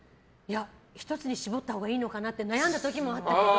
１つに絞ったほうがいいのかなって悩んだ時もあったけど。